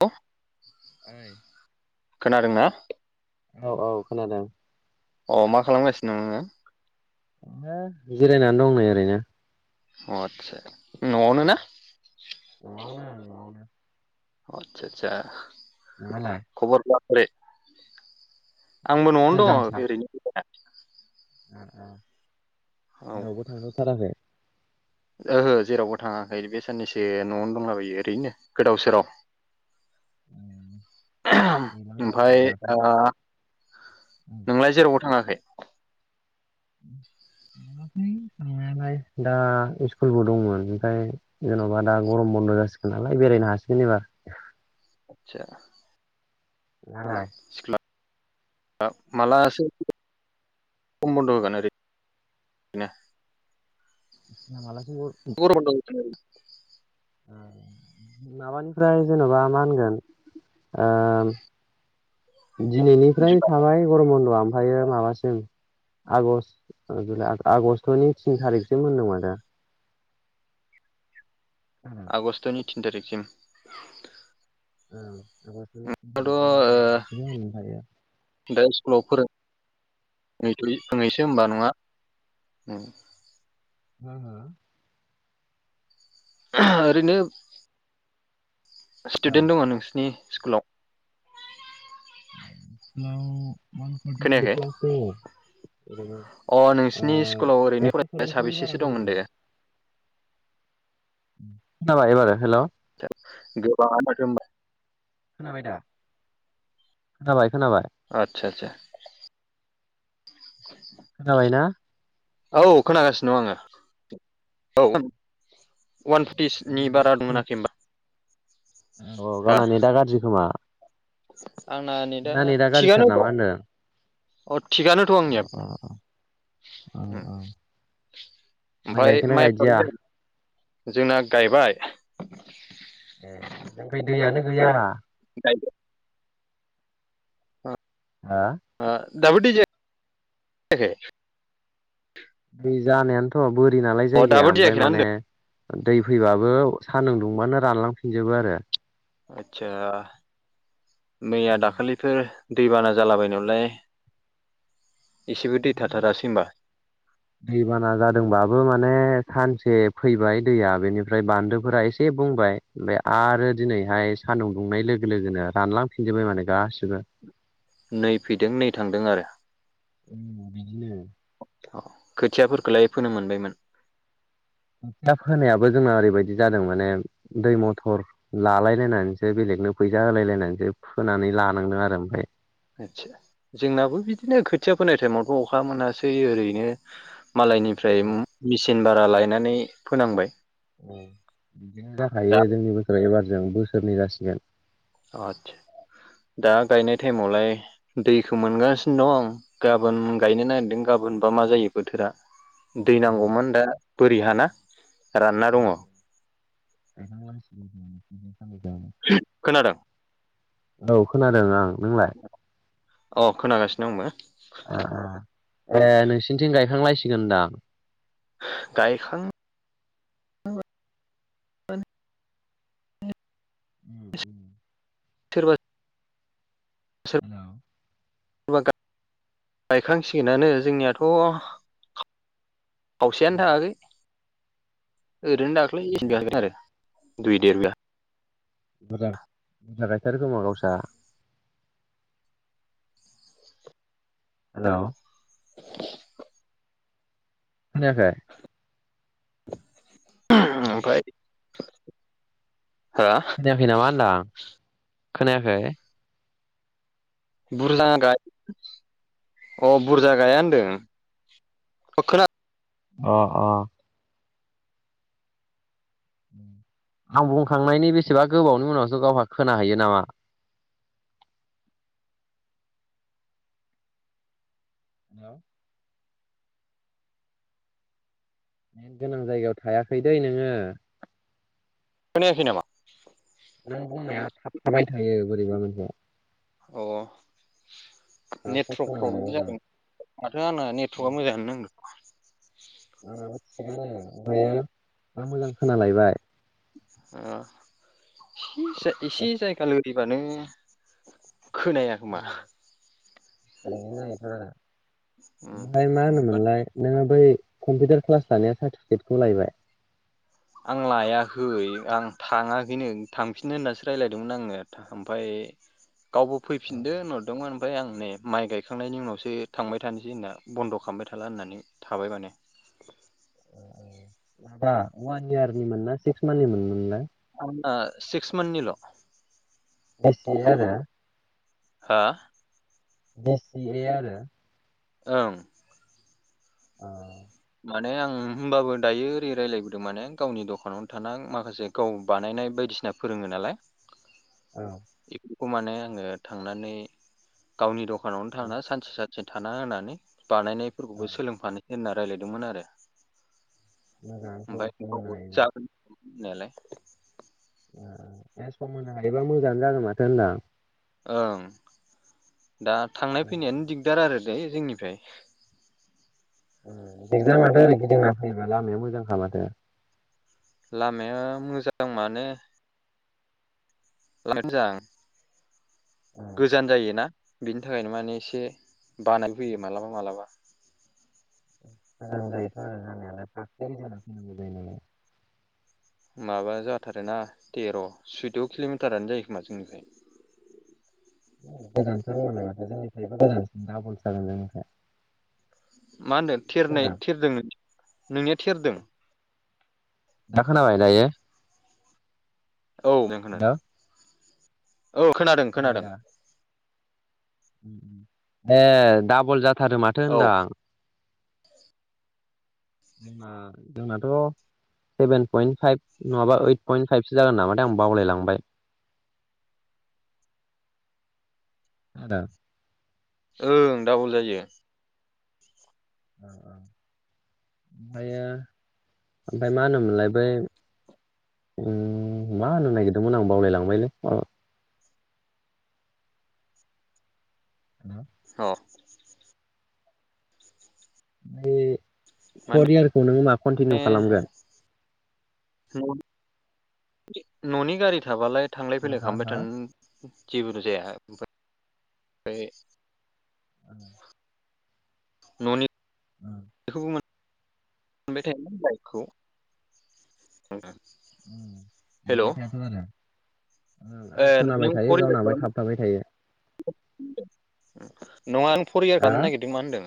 [unintelligible] ओइ खोनादोंना औ औ खोनादों। अ मा खालामगासिनो नोंङो। हो जिरायनानै दं नै ओरैनोव अ आतसा नआवनो ना। [unintelligible] आतसा आचसा नोंहालाय खबर फोरा बोरै। आंबो न'आवनो मोजां दंङ सार ओरैनो जिरायना। [unintelligible] जेरावबो थांजाथाराखै। ओहो जेरावबो थांङाखै बे साननैसो न'आवनो दंलाबायो ओरैनो गोदाव सोराव। [unintelligible] दैलां जाबाय ओमफफ्राय दाथ' आ नोंलाय जेरावबो थांङाखै। [unintelligible] थांनायालाय दा सस्कुलबो दंमोन ओमफ्राय जेन'बा दा गरम। बन्द जासिगोन नालाय बेरायनो हासिगोन एबार। [unintelligible] [unintelligible] [unintelligible] खमबनद होगोन ओरै बिनी [unintelligible] [unintelligible] माबानिफ्राय जेन'बा मा होनगोन। आ दिनैनिफ्राय जुलाइ थाबाय गरम बधआ। थफायो माबासिम। आगषट आगष्टनि थिन थारिखसो होनदोंमोना दा। आगष्टनि थिन थारिखसिम। दाथ' ओ [unintelligible] [unintelligible] [unintelligible] होनबा नंङा उम। [inaudible] ओरैनो स्टुदेन्ट दंङ नोंसिनि। स्कुलाव। स्कुलाव अवान परति खोनायाखै प्लास दंङ। अ नोंसिनि स्कुलाव ओरैनो एकस' फरायसाया सल्लिसनि बारा साबेसेसो दं होनदां होनदो? खोनाबाय एबार हेल'? गोबांङानो माथो होनबा। खोनाबाय दा खोनाबाय खोनाबाय। आदसा आदसा। खोनाबायना? औ खोनागासिनो दं आंङो औ। अवान फटिसनि बारा दं होनाखै ओमबा? औ गावना नेदा गाज्रि खोमा। आंना नेदा नोंना नेटआ गाज्रिथार थिगानो नामा दं। होनदों अ थिगानोथ' आंनिया। अ अ अ अ माइ ओमफाय गायखोना गायदिया माइफ्रालाय जोंना गायबाय। ए जोंखै दैयानो गैया। [unintelligible] हा ओ दाबो दै जायाखै? दै जानायानोथ' बोरि नालाय अ दाबो जायगाया दै ओमफाय जायाखै ना माने होनदों दै फैबाबो सानदुं दुंबानो रानलांफिनजोबो आरो। आतसा मैया दाखालिफोर दैबाना जालाबायनायावलाय एसेबो दै थाथारासै होमबा? दैबाना जादोंबाबो माने सानसे फैबाय दैया बेनिफ्राय बान्दोफोरा एसे बुंबाय ओमफाय आरो दिनैहाय सान्दुं दुंनाय लोगो लोगोनो रानलांफिनजोबबाय माने गासिबो। नै फैदों नै थांदों आरो। बिदिनो खोथियाफोरखौलाय फोनो मोनबायमोन? खोथिया फोनायाबो जोंना ओरैबायदि जादों माने दै मथर लालाय लायनानैसो बेलेगनो फैसा होलाय लायनानैसो फोनानै लानांदों आरो ओमफाय। आतसा जोंनाबो बिदिनो खोथिया फोनाय टाइमावथ' अखा मोनासै ओरैनो मालायनिफ्राय औ मेचिन भारा लायनानै फोनांबाय। औ बिदिनो दा जाखायो जोंनि बोसोरा एबारजों बोसोरनै जासिगोन। अ आतसा। दा गायनाय टाइमावलाय दैखौ मोनगासिनो दं गाबोन गायनो नागिरदों गा बोनबा मा जायो बोथोरा। दै औ नांगौमोन दा बोरि हाना रानना औ दंङ। [inaudible] खोनादों? औ खोनादों आं नोंलाय? अ खोनागासिनो आंबो। ए नोंसिनिथिं गायखांलायसिगोन होनदां। गायखां [unintelligible] उम उम। सोरबा हेल'। सोरबा गा-गायखांसिगोनानो जोंनियाथ' खावसेयानो थांङाखै। ओरैनो दाख्लै [unintelligible] दुइ देर बिगा। बुरजा बुरजा गायथारो खोमा गावसा? हेल' [unintelligible] खोनायाखै? [unintelligible] ओमफाय? खोनायाखै नामा होनदां खोनायाखै? बुरजा गायो अ बुरजा गाया होनदों। अ' खोना अ' अ' आं बुंखांनायनि बेसेबा गोबावनि उनावसो गावहा खोनाहैयो नामा हेलौ नेट गोनां जायगायाव थायाखै दे नोङो। खोनायाखै नामा? नों बुंनाया थाबथाबाय थायो बोरैबा [inaudible] अ' दासो नेटवर्क प्रब्लेम खोनालायबाय जादों माथो आंना नेटवर्कआ मोजाङानो नांदों। [unintelligible] ओमफायो दा मोजां खोनालायबाय। ओ एसे जायगा लोरिबानो खोनाया खोमा। [inaudible] ओमफ्राय मा होनोमोनलाय नोङो कम्पिउटार क्लास लानाया सार्टिफिकेटखौ लायबाय? आं लायाखै, आं थाङाखैनो थांफिननो होननासो रायलायदोंमोन आङो ओमफफ्राय गावबो फैफिनदो नरदोंमोन ओमफ्राय आं नै माइ गायखांनायनि उनावसो थांबाय थानोसै होनना, बन्द' खालामबाय थाला होननानै थाबाय माने। ओ ओ माबा वान इयारनिमोन ना सिक्स मान्थनिमोन मोनलाय? आंना सिक्स मान्थनिल'। बेसे आरो? हा? बेसेयै आरो? ओं। ओं। माने आं होमबाबो दायो ओरै रायलायबोदों माने गावनि दखानाव थाना माखासे गाव बानायनाय बायदि बायदिसिना फोरोङो नालाय औ। खौ माने आङो थांनानै गावनि दखानावनो औ थाना सानसे सानसे थाना होननानै बानायनायफोरखौबो औ सोलोंफानोसै होनना रायलायदोंमोन आरो। ओमफ्राय मोजाङानोथ' सम होनो गावबो हायोबा जागोन होनदोंमोन होननायालाय। ओ ओ ए सम होनो हायोबा मोजाङानो जागोन माथो होनदों आं। ओं, दा थांनाय फैनायानो दिगदार आरो यो जोंनिफ्राय। ओ दिगदार माथो ओरै गिदिना फैबा, लामाया मोजांखा माथो। लामाया मोजां माने लामायाथ' मोजां, गोजान जायोना। बिनि थाखायनो माने एसे बानाय फैयो मालाबा मालाबा। गोजान जायो खोमा जानायालाय फाखोसे गिदिंना फैनाय जायो नालाय। माबा जाथारोना तेर' सैद' किल'मिटारानो जायो खोमा जोंनिफ्राय। [inaudible] ओं गोजानथार जायोलाय माथो जोंनिफ्रायबो गोजानसिन, दाबल जागोन जोंनिफ्राय। मा होनदों, थेरनाय खोनादों थेरदों, नोंनिया थेरदों? दा खोनाबाय दायो? औ दे ओं खोनादों। औ खोनादों खोनादों। ओ ओ, ए डाबल जाथारो माथो औ होनदो आं। जोंना जोंनाथ' सेभेन पयन्ट फाइब नङाबा ओइद पइन्ट फाइबसो जागोन नामाथाय आं बावलायलांबाय। [inaudible] ओ आदा, ओं, डाबल जायो। ओ ओ। ओमफ्रायो ओमफ्राय मा होनोमोनलाय बै ओ, मा होनो नागिरदोंमोन आं बावलायलांबायलै मा हेल', अ ओमफ्राय माने फर इयारखौ नोङो मा कन्टिनिउ खालामगोन? न'नि [inaudible] न'नि गारि थाबालाय थांलाय हो फैलाय हो खालामबाय हो उम थानो जेबोथ' जाया ओमफ्राय [inaudible] ओमफ्राय औ। न'नि ओं। [unintelligible] बाय थायो बाइकखौ हेल' मोनबाय थायाथ आरो। ओं ए आं खोनाबाय नों थायो फर इयार गावनाबा खालाम थाब थाबाय थायो। नङा आं फर इयार हा खालामनो नागिरदों मा होन्दों?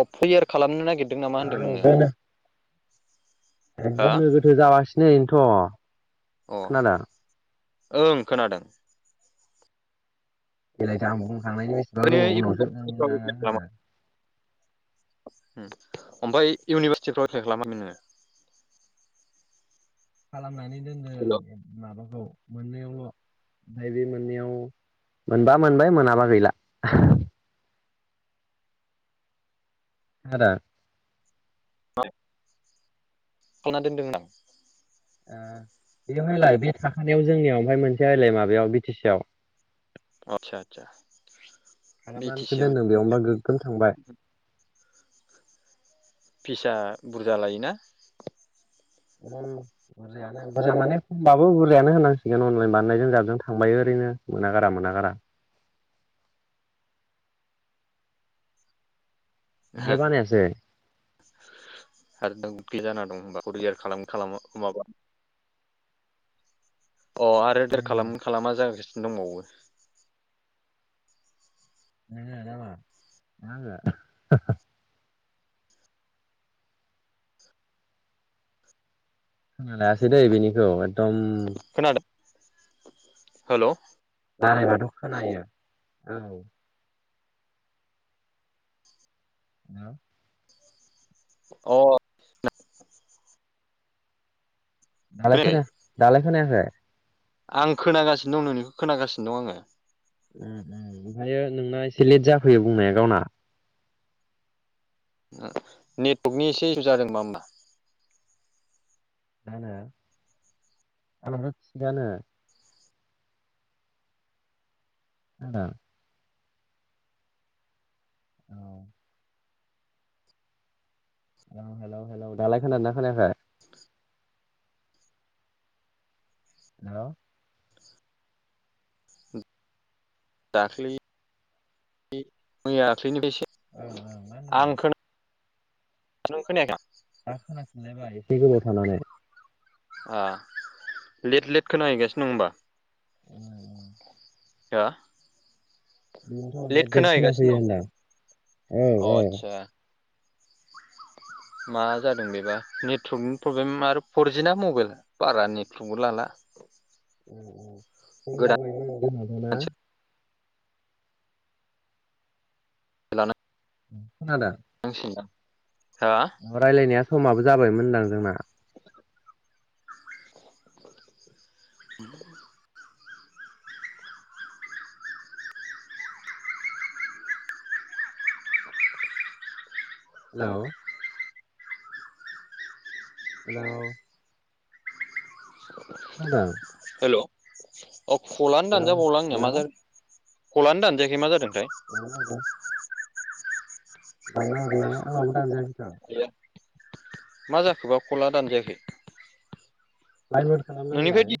औ फैयार खालामनो नागिरदों नामा होनदों नोङो। ए हा गोनो गोथो जागासिनो इनथ'। अ ओं खोनादों बे्लायथो आंबो बुंखांनायनि बेसेबा ओरैनो गोबाव उनावसो न इउनिभारसिटिफ्राव नङा एप्लाइ खालामा होनो। ओमफ्राय इउनिभारसिटिफ्राव एप्लाइ खालामा नोङो? खालामनानै दोनदों माबाखौ। मोननैआवल नैबे मोनैयाव मोनबा मोनबाय मोनाबा गैला आदा। [unintelligible] खालामना दोनदों आं। ओ बेवहायलाय बे थाखानायाव जोंनियाव ओमफ्राय मोनसे आलाय माबायाव बि टि सि आव आतसा आतसा खालामनानैसो दोनदों बेयावबा गोगोम थांबाय। फिसा बुरजा लायोना। उ बुरजायानो माने खमबाबो बुरजायानो होननांसिगोन अनलाइन बानायनायजों जाबजों थांबाय ओरै नो मोना गारा मोना गारा नोंलाय बानायासै? आरो नों बे जाना दं हबा रियार खालाम खालामो माबा। अ आरो देर खालाम खालामा जागासिनो दंबावो। नोङो नामा ना आङो। खोना लायासै दै बेनिखौ एकदम खोनादों हेल' बारायबाथ' खोनायो औ ह अ दालाय खोनायाखै खोना दालाय खोनायाखै? आं खोनागासिनो दं नोंनिखौ खोनागासिनो दं आङो उम उम ओमफ्रायायो नोंना एसे लेट जाफैयो बुंनाया गावना नेटवर्कनि एसे इसु जादोंबा होमबा जानो आंनाथ थिगानो खोनादों औ औ हेलौ हेलौ दालाय खोनादोंना खोनायाखै हेल' दाख्लै मैया दाख्लैनिफ्रायसो ओं ओं मा होनदोंमोन नों खोनाखै जाबाय एसे गोबाव थानानै ओ लेट लेट खोनाहैगासिनो दङ होमबा [unintelligible] हो बेनोथ' लेट लेद लेद खोनाहैगासिनो खोनाफैयो दं होनादां अ औ औ आदसा [inaudible] मा जादों बेबा नेटवर्कनि प्रब्लेम आरो फरजि ना मबाइल बारा नेटवर्कबो लाला [unintelligible] ना गोदानसो खोनादो [inaudible] रायज्लायनाया समाबो जाबायमोनदां जोंना [inaudible] हेल' हेल' हेल' [unintelligible] अ खलानो दानजाबावला आंनिया मा हेल' जादों खलानो दानजायाखै मा जादों [inaudible] ना आ आंनाबो दानजायाखैथ मा जाखोबा खला दानजायाखै लाइमोन नोंनिफ्राय खालामनाहोलाय